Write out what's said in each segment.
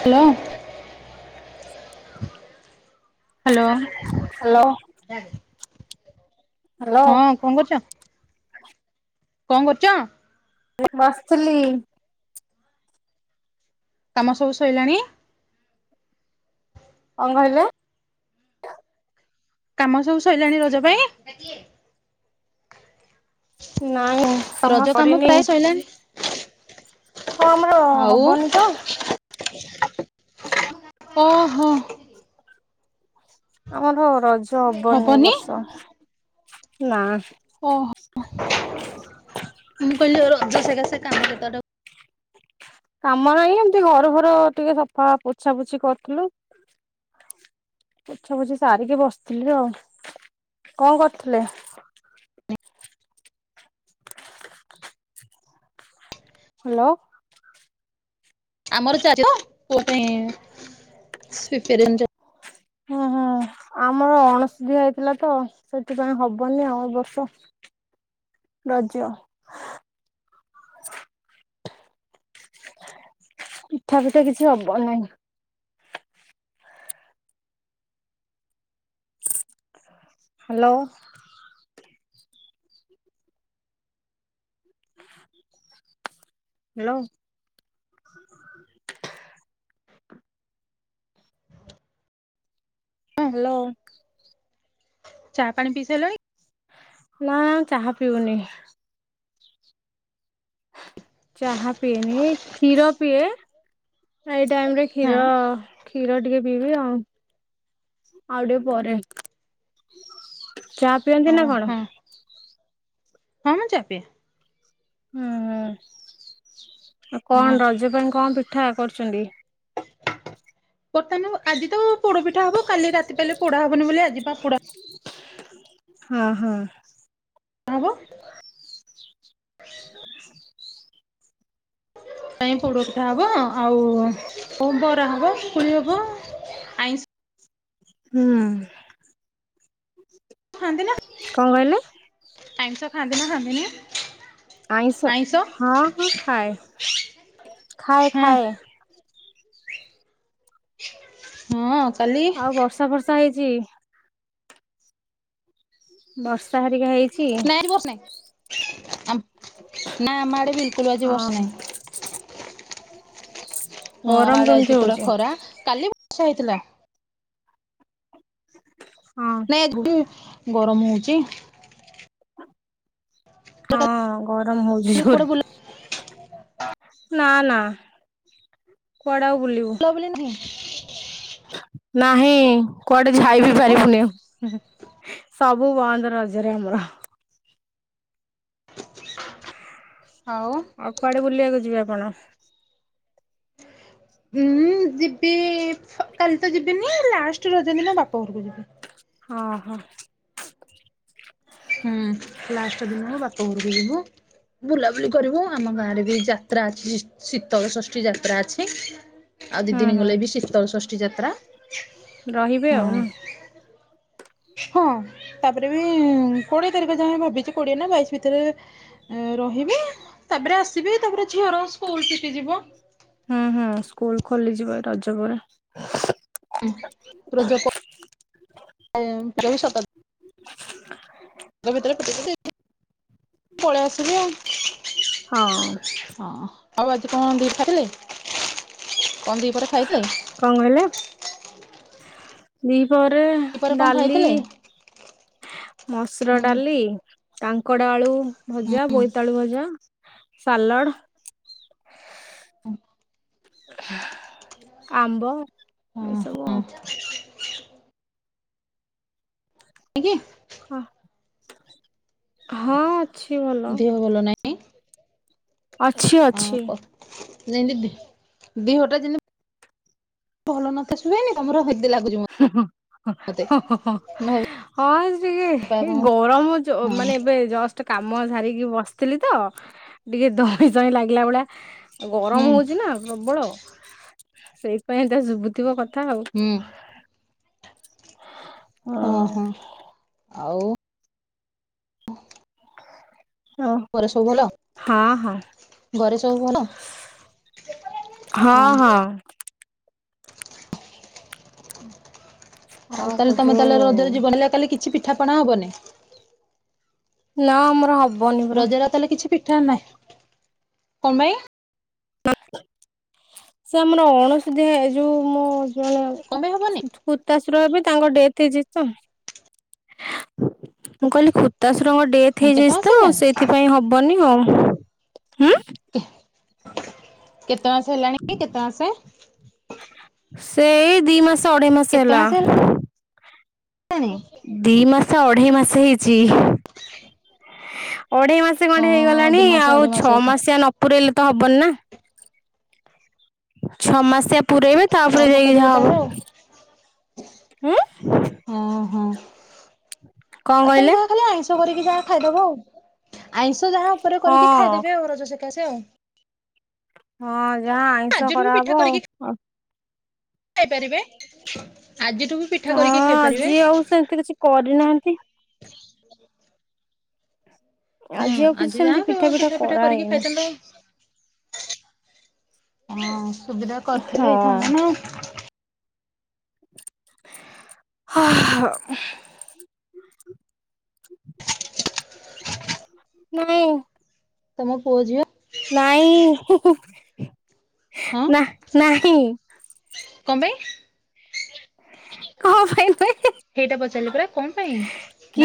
Hello hello hello hello ହଁ କଣ କରୁଛ? କଣ କରୁଚ? ଏ ବସିଥିଲି କାମ ସବୁ ସଇଲାଣି। କଣ କହିଲ? କାମ ସବୁ ସଇଲାଣି ରଜ ପାଇଁ ନାଁଇଁ କାମ ରଜ ସରିନି। ପ୍ରାୟ ସଇଲାଣି। ହଁ ଆମ୍ ଆଉ ଓହୋ ଆମର ରଜ ହବନି ଏ ବର୍ଷ ନା। ଓହୋ ମୁଁ କହିଲି ଏ ରଜ ସକେସେ କାମ କେତେବାଟ କାମ ନାହିଁ ଏମିତି ଘର ଫର ଟିକେ ସଫା ପୋଛା ପୋଛି କରିଥିଲୁ। ପୋଛା ପୋଛି ସାରିକି ବସିଥିଲି ଆଉ କଣ କରୁଥିଲେ। ହାଲୋ ଆମର ଚାରିଟି ପୁଅ ପାଇଁ [inaudible] ହୁଁ ହୁଁ ଆମର ଅଣଷୁଧିଆ ହେଇଥିଲା ତ ସେଥିପାଇଁ ହବନି ଆଉ ଏ ବର୍ଷ ରଜ ପିଠା ଫିଠା କିଛି ହବ ନି। ହାଲୋ ହ୍ୟାଲୋ [inaudible] ହ୍ଯାଲୋ ଚାହା ପାଣି ପିଇସାଇଲଣି? ନାଁ ଚାହା ପିଉନି। ଚାହା ପିଏନି କ୍ଷୀର ପିଏ। ଏଇ ଟାଇମ ରେ ହଁ କ୍ଷୀର କ୍ଷୀର ଟିକେ ପିଇବି ଆଉ ଆଉ ଟିକେ ପରେ ଚା ପିଅନ୍ତି ହଁ ନା କଣ? ହଁ। ହଁ ମୁଁ ଚାହା ପିଏ। ହୁଁ ଆ କଣ ହଁ। ରଜ ପାଇଁ କଣ ପିଠା କରୁଛନ୍ତି? ବର୍ତ୍ତାନୁ ଆଜି ତ ପୋଡ ପିଠା ହବ କାଲି ରାତି ପାଇଲେ ପୋଡା ହବନି ବୋଲି ଆଜି ପା ପୋଡା ହଁ ହଁ ହବ? କାଇଁ ପୋଡ଼ ପିଠା ହବ ଆଉ ଉ ବରା ହବ ପୁଳି ହବ ଆଇଁଷ ହୁଁ ଛନ୍ତି ନା? କଣ କହିଲେ? ଆଇଁଷ ଖାଆନ୍ତି ନା ଆଇଁଷ ହଁ ଖାଆନ୍ତି ହଁ ଖାଏ। ନି? ଆଇଁଷ ଖାଏ ଖାଏ। ହୁଁ ହଁ କାଲି ଆଉ ବର୍ଷା ଫର୍ଷା ହେଇଛି? ବର୍ଷା ହେରିକା ହେଇଚି ନାଇଁ ଆଜି ବର୍ଷ ନାହିଁ ଆମ ନାଇଁ ଆଡ଼େ ବିଲକୁଲ ଆଜି ଅହ ବର୍ଷନାହିଁ। [unintelligible] ହଁ ଆମ ଆଡେ କେମିତି ଆଜି ପୁରା ହଉଛି? ଖରା କାଲି ବର୍ଷା ହେଇଥିଲା। ହଁ ନାଇଁ ଏଗୁଠୁ ଗରମ ହଉଚ। ହଁ ଗରମ ହଉଛି କୁଆଡ଼େ ଜୋରେ ନା ନା କୁଆଡେ ଆଉ ବୁଲିବୁ। ବୁଲା ବୁଲି ନାହିଁ? ନାହିଁ କୁଆଡେ ଝାଇ ବିି ପାରିବୁନି ଆଉ। ହୁଁ ହୁଁ ସବୁ ବନ୍ଦ ରଜରେ ଆମର। ଆଉ କୁଆଡେ ବୁଲିବାକୁ ଯିବେ ଆପଣ? ହୁଁ ଯିବି ଅ କାଲି ତ ଯିବିନି ଲାଷ୍ଟ ରଜ ଦିନ ବାପା ଘରକୁ ଯିବି। ଅଁ ହଁ ହୁଁ ଲାଷ୍ଟ ଦିନକୁ ବାପା ଘରକୁ ଯିବୁ। ବୁଲାବୁଲି କରିବୁ ଆମ ଗାଁ ରେ ବି ଯାତ୍ରା ଅଛି ସିସ ଶୀତଳ ଷଷ୍ଠୀ ଯାତ୍ରା ଅଛି। ଆଉ ଦି ହୁଁ ଦିନି ଗଲେ ବି ହୁଁ ଶୀତଳ ଷଷ୍ଠୀ ଯାତ୍ରା। ରହିବେ ହଁ। ଆଉ ନୁହଁ? ହଁ ତାପରେ ବି କୋଡିଏ ତାରିଖ ଯାଏଁ ଭାବିଛି କୋଡିଏ ନା ବାଇଶି ଭିତରେ ଏ ରହିବି ତାପରେ ଆସିବି ତାପରେ ଝିଅର ସ୍କୁଲ ଶିକି ଯିବ। ହୁଁ -ହୁଁ ସ୍କୁଲ ଖୋଲିଯିବ ରଜ ପରେ। [unintelligible] [unintelligible] [unintelligible] ପଳେଇ ଆସିଲି ଆଉ। ହଁ ହଁ ଆଉ ଆଜି କଣ ଦି ଖାଇଥିଲେ, କଣ ଦିଇ ପରେ ଖାଇଥିଲେ? କଣ କହିଲେ, ଦି ପହରେ ଦିପହରେ କଣ ଡାଲି, ଖାଇଥିଲେ? ମସୁର ହୁଁ ଡାଲି, କାଙ୍କଡ ଆଳୁ ଭଜା ବୋଇତାଳୁ ଭଜା ସାଲଡ୍ [unintelligible] ଆମ୍ବ ହଁ ଏଇସବୁ ଆଉ। ଆଜ୍ଞା। ହଁ -ହଁ ଅଛି ଭଲ ଦେହ ଭଲ ନାଇଁ ଅଛି ଅଁ- ଅଛି କ ଯେମତି ଦେହଟା ଯେମତି ଭଲ ନଥାଶ୍ ଶୁଏନି ତମର ହେଦେ ଲାଗୁଛିିବ [unintelligible] ହଁ ଟିକେ ବାପା ଏଇ କଣ ଗରମ୍ ହଁ ଯ-ମାନେ ଏବେ ଜଷ୍ଟ୍ କାମ ସାରିକି ବସିଥିଲି ତ ଟିକେ ଧଇଁ ସଇଁ ଲାଗିଲା ଭଳିଆ ଗରମ ହୁଁ ହୋଉଚି ନା ପ୍ରବଳ ସେଇଥିପାଇଁ ଏମିତିଆ ଶୁଭୁଥିବ କଥା ଆଉ ହୁଁ ଓ ହଁ -ହଁ ଆଉ ହଁ ଘରେ ସବୁ ଭଲ, ହଁ ଘରେ ସବୁ ଭଲ? ହଁ -ହଁ [unintelligible] ଆଉ ହଁ କ ତାହେଲେ ତମେ ତାହେଲେ ଯୋଉ ରଜରେ ଯିବନି, କାଲି କିଛି ପିଠାପଣା ହବନି? ନା ଆମର ହବ୍ ରଜରେ ଆଉ ତାହେଲେ କିଛି ପିଠା ନାହିଁ, କଣ ପାଇଁ? ସେ ଆମର ଅଣଶୁଦ୍ଧିଆ ଏ ଯୋଉ ମୋ ଜଣେ କଣ ପାଇଁ ହବନି କୁର୍ତାଶୁର ହେବେ ତାଙ୍କ ଡେଥ୍ ହେଇଯାଇଛି ତ, ମୁଁ କହିଲି ଖୁ ଖୁତାଶୁରଙ୍କ ଡେଥ୍ ହଁ କେତେ ହେଇଯାଇଛି ମାସ ତ ହେଲାଣି ସେଇଥିପାଇଁ ହବନି ଆଉ ଉଁ କେତେ ମାସେ ହେଲାଣି କି, କେତେ ମାସେ? ସେଇ ଦି ମାସେ ଅଢେଇ ମାସେ କେତେ ହେଲା ମାସ ହେଲାଣି ଦି ମାସେ, ଅଢେଇ ମାସେ ହେଇଛି, ଅଢେଇ ମାସ୍ ସେ ଖଣ୍ଡେ ହଁ ହେଇଗଲାଣି ଦି ମାସ ଆଉ ଅଢେଇ ମାସ ଛଅ ହେଇଥା ମାସିଆ ନ ପୁରେଇଲେ ତ ହବନି ନା ଛଅ ମାସିଆ ପୁରେଇବେ ତାପରେ ହଁ ଯାଇକି ପକେଇଦେବେ ଯାହାହବ, ତାହେଲେ ଆଉ ଉଁ ହଁ- ହଁ କଣ ଆଉ ତମେ କହିଲେ? ତ ଯାହା ଖାଲି ଆଇଁଷ କରିକି ଯାହା ଖାଇଦବ ଆଉ ଆଇଁଷ ଯାହା ଉପରେ କରିକି ହଁ ଖାଇଦେବେ ଆଉ ରଜ ସକାଶେ ଆଉ। ହଁ ଯାହା ଆଇଁଷ ଆଜିଠୁ ବି ପିଠା କରାହବ କରିକି ଆଉ, ଆଉ ଖାଇପାରିବେ ଆଜିଠୁ ବି ପିଠା ହଁ କରିକି ଖାଇପାରିବେ। ଆଜି ଆଉ ସେମିତି କିଛି କରିନାହାନ୍ତି। ହଁ ଆଉ କିଛି ଆଜି ଯା ସେମିତି ପିଠା ପିଠା କରିକି କରାହେଇନି ଖାଇଥାନ୍ତ। ହଁ ସୁବିଧା କରିଥିଲେ ହେଇଥାନ୍ତା ହଁ। ନା [unintelligible] ନା ନା ମୁଁ ତମ ପୁଅ ଝିଅ ନାଇଁ ହଁ ନା ନାହିଁ। କଣ ପାଇଁ? କଣ ପାଇଁ ନୁହେଁ କି। ହେଇଟା ପଚାରିଲି ପରା କଣ ପାଇଁ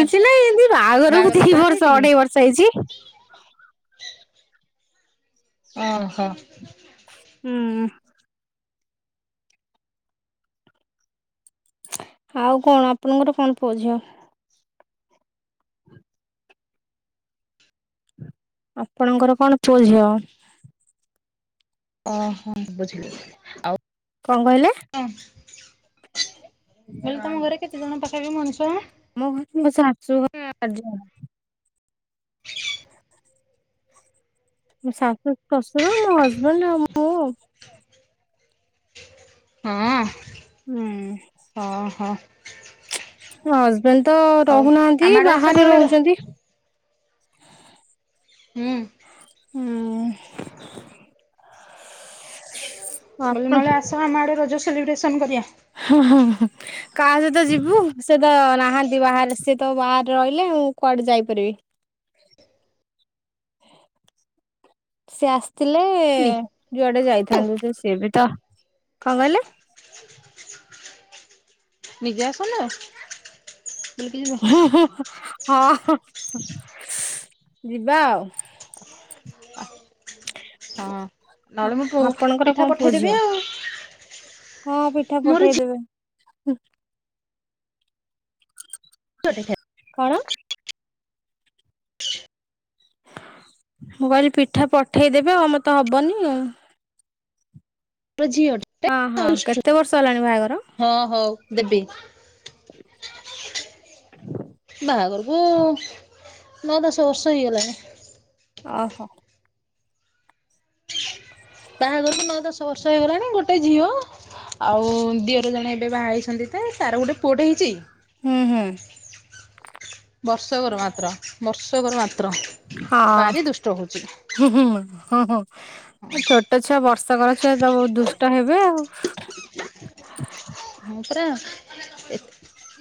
ନା ବାହାଘର କେତେ ମାସେ ହେଇଛି କି? ସେଇଛି। [inaudible] ଓହୋ। ହୁଁ। ଆଉ କଣ ଆପଣଙ୍କର କଣ ପୁଅ ଝିଅ? ଆପଣଙ୍କର କଣ ପୁଅ ଝିଅ? ଓହୋ ବୁଝିଲି ଆଉ। କଣ କହିଲେ? ହଁ ମୁଁ କହିଲି ତମଘରେ କେତେଜଣ ପାଖାପାଖି ମଣିଷ? ମୋ ଘରେ ମୋ ଶାଶୁଘରେ ଚାର ଜଣ। ମୋ ଶାଶୁ ଶ୍ୱଶୁର ମୋ ହଜବେଣ୍ଡ ଆଉ ମୁଁ ଆଉ। [inaudible] ହୁଁ ଓହୋ ହ ଜବେଣ୍ଡ ତ ହଉ ଆମ ରହୁନାହାନ୍ତି ଆଡେ ଆସୁନ ବାହାରେ ଗୋଟେ ରହୁଛନ୍ତି। ହୁଁ। ହୁଁ। ମୁଁ କହିଲି ଆପଣ ନହଲେ ଆସ ଆମଆଡ଼େ ରଜ ସେଲିବ୍ରେସନ କରିବା। ହଁ ହଁଁ ହଁ। କାହା ସହିତ ଯିବୁ ସେ ତ ନାହାନ୍ତି ବାହାରେ ସିଏ ତ ବାହାରେ ରହିଲେ ଆଉ ମୁଁ କୁଆଡେ ଯାଇପାରିବି। [inaudible] ସେ ଆସ୍ ଥିଲେ ନି ଯୁଆଡେ ଯାଇଥାନ୍ତୁ ତ ସିଏ ବି ତ କଣ କହିଲେ? ନିଜେ ଆସନ୍ତୁ? ହେ ହେ ହେ। ହଁ ହଁ ହଁ ଯିବା ଆଉ। ଆ ନହେଲେ ମୁଁ ଆପଣଙ୍କର ପିଠା କଣ ପୁଅ ପଠେଇଦେବି ଝିଅ? ଆଉ। ହଁ ପିଠା ମୋର ପଠେଇଦେବେ। [unintelligible] କଣ? ମୁଁ କହିଲି ପିଠା ପଠେଇଦେବେ ଆଉ ଆମର ତ ହବନି ଆ। ମୋ ଝିଅ ଟେ ହଁ ହଁ ଦୁଷ୍ଟ କେତେ ବର୍ଷ ହେଲାଣି ବାହାଘର? ହଁ ହଉ ଦେବି। ବାହାଘରୁକୁ। ନଅ ଦଶ ବର୍ଷ ହେଇଗଲାଣି। ଅହ। ବାହାଘରୁକୁ ନଅ ଦଶ ବର୍ଷ ହେଇଗଲାଣି ଗୋ ଗୋଟେ ଝିଅ ଆଉ ଦିଅର ଜଣେ ଏବେ ବାହା ହେଇଛନ୍ତି ତେ ତାର ଗୋଟେ ପୁଅଟେ ହେଇଚି। ହୁଁ ହୁଁ। ବର୍ଷକର ମାତ୍ର ବର୍ଷକର ମାତ୍ର ହଁ। ଭାରି ଦୁଷ୍ଟ ହଉଛି। ହୁଁ ହୁଁ ହଁ ହଁ। ଏ ଚଟାଛୁଆ ବର୍ଷକର ଛୁଆ ପା ବହୁ ଦୁଷ୍ଟ ହେବେ ଆଉ। ହଁ ପରା ଏ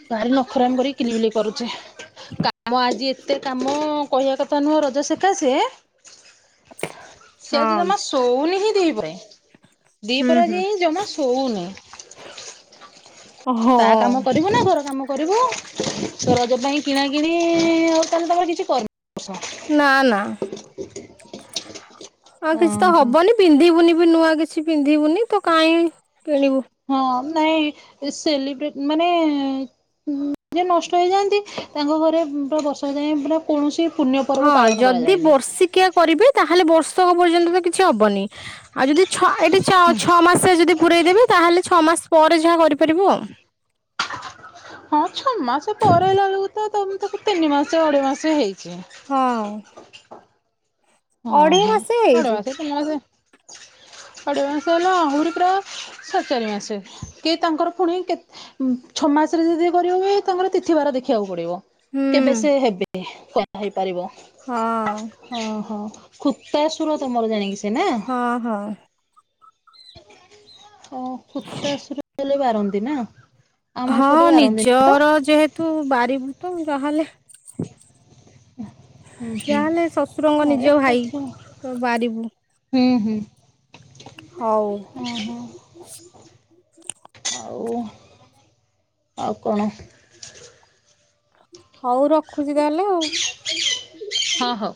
ଭାରି ନଖରାମି କରିକି କିଲି ବିଲି। କରୁଛେ କାମ ଆଜି ଏତେ କାମ କହିବା କଥା ନୁହଁ ରଜ ଶକାସେ ସେ ହଁ ଆଜି ଜମା ଶୋ ଶୋଉନି ହିଁ ଦିଇପହରେ। ହୁଁ ଦିଇପହରେ ହୁଁ। ଆଜିଏହି ଜମା ଶୋଉନି। ଓହୋ ତା କାମ କରିବୁ ନା ଘର କାମ କରିବୁ ତ ରଜ ପାଇଁ କିଣା କିିଣି ଆଉ ତାହେଲେ ତମର କିଛି କରିନ। ନା ନା ଆଉ କିଛି ତ ଓହୋ। ହବନି ପିନ୍ଧିବୁନି ବି ନୂଆ କିଛି ପିନ୍ଧିବୁନି ତ କାଇଁ କିଣିବୁ। ହଁ ନାଇଁ ସେଲିବ୍ରେଟ୍ ମାନେ ଯେ ନଷ୍ଟ ହେଇଯାଆନ୍ତି ତାଙ୍କ ଘରେ ପୁରା ବର୍ଷକ ଯାଏଁପୁରା କୌଣସି ପୁଣ୍ୟ ପର୍ବ ହଁ ପାଳନ ଯଦି କରାଯାଏନି। ବର୍ଷିକିଆ କରିବେ ତାହେଲେ ବର୍ଷକ ପର୍ଯ୍ୟନ୍ତ ତ କିଛି ହବନି ଆଉ ଯଦି ଛଅ ଏଠି ଛଅ ଛଅ ମାସ ସେ ଯଦି ପୁରେଇ ଦେବେ ତାହେଲେ ଛଅ ମାସ ପରେ ଯାହା କରିପାରିବ ଆଉ। ହଁ ଛଅ ମାସ ପରେ ହେଲା ବେଳକୁ ତ ତ ମୁ ତାକୁ ତିନି ମାସ ଅଢେଇ ମାସ ହେଇଚି। ହଁ। ହଁ ହଁ ମାସେ ଅଢେଇ ହେଇଛି। ମାସେ ତିନି ମାସେ ଅ଼ଢେଈ ମାସ ହେଲା ଆହୁରି ପୁରା ସାଢ଼େ ଚାରି ମାସେ କି ତାଙ୍କର ପୁଣି କେତେ ଉ ଛଅ ମାସରେ ଯଦି କରିବ ବି ତମର ତିଥିବାର ଦେଖିବାକୁ ପଡିବ। ହୁଁ କେବେ ସେ ହେବେ [inaudible] ହେଇପାରିବ। ହଁ। ଓହୋ ଖୁତାସୁର ତମର ଜାଣିକି ସେ ନା? ହଁ ହଁ। ଓ ଖୁତାସୁର ହେଲେ ବାରନ୍ତି ନା? ଆମ ହଁ ଏପଟେ ବାରନ୍ତିନି ତ ନିଜର ଯେହେତୁ ବାରିବୁ ତ ଯାହେଲେ। ହୁଁ ହୁଁ ଯାହାହେଲେ ଶଶୁରଙ୍କ ହଁ ନିଜ ଭାଇ ଏକାଠି ତ ବାରିବୁ। ହୁଁ ହୁଁ ହଉ ହଁ ହଁ। ଆଉ ଆଉ କଣ? ହଉ ରଖୁଚି ତାହେଲେ ଆଉ। ହଁ ହଉ।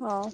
ହଉ।